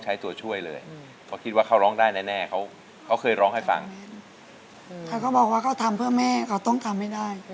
เค้าก็บอกว่าเค้าทำเพื่อแม่แต่เค้าต้องทำให้ได้